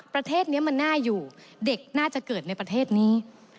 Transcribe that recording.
ประเทศนี้มันน่าอยู่เด็กน่าจะเกิดในประเทศนี้